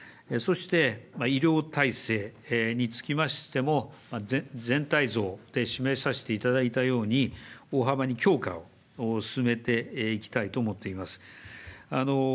そして医療体制につきましても、全体像で示させていただいたように、大幅に強化を進めていきたいと思っています。